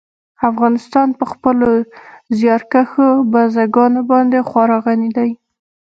افغانستان په خپلو زیارکښو بزګانو باندې خورا غني دی.